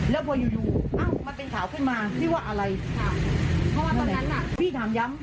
แล้วพออยู่อยู่อ้าวมันเป็นข่าวขึ้นมาพี่ว่าอะไรค่ะเพราะว่าตอนนั้นน่ะพี่ถามย้ำ